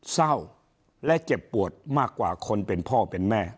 เศร้าและเจ็บปวดมากกว่าคนเป็นพ่อเป็นแม่